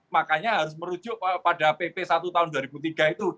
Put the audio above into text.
makanya harus merujuk pada pp satu tahun dua ribu tiga itu